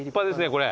これ。